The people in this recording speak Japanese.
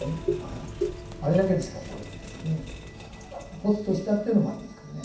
ほっとしたっていうのもありますけどね。